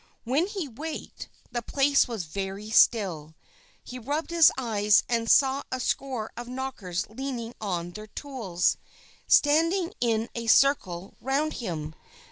When he waked, the place was very still. He rubbed his eyes, and saw a score of Knockers leaning on their tools, and standing in a circle around him.